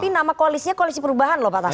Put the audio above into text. tapi nama koalisnya koalisi perubahan loh pak tasmin